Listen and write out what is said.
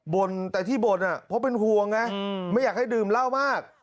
แต่ที่บ่นเพราะเป็นห่วงไงไม่อยากให้ดื่มเหล้ามาก